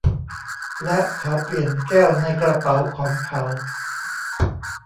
และ เขาเปลี่ยนแก้วในกระเป๋าของเขา